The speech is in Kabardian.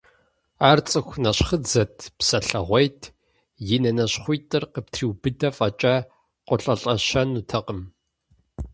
Ар цӀыху нэщхъыдзэт, псэлъэгъуейт, и нэ нащхъуитӀыр къыптриубыдэ фӀэкӀа, къолӀэлӀэщэнутэкъым.